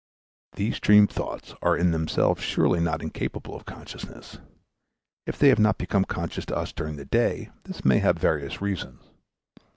These dream thoughts are in themselves surely not incapable of consciousness; if they have not become conscious to us during the day, this may have various reasons.